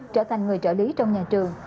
trở thành người trợ lý trong nhà trường